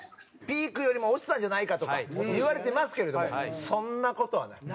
ピークよりも落ちたんじゃないかとか言われてますけれどもそんな事はない。